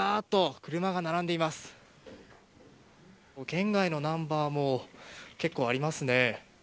県外のナンバーも結構ありますね。